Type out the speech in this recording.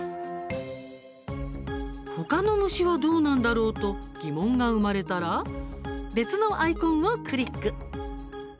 ほかの虫はどうなんだろうと疑問が生まれたら別のアイコンをクリック。